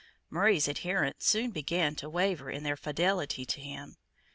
Murray's adherents soon began to waver in their fidelity to him.